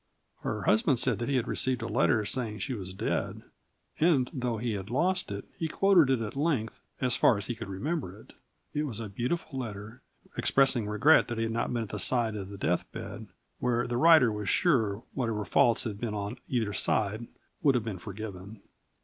Her husband said that he had received a letter saying she was dead, and, though he had lost it, he quoted it at length "as far as he could remember it." It was a beautiful letter, expressing regret that he had not been at the side of the deathbed, where, the writer was sure, whatever faults had been on either side would have been forgiven.